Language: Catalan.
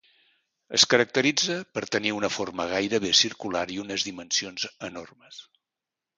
Es caracteritza per tenir una forma gairebé circular i unes dimensions enormes.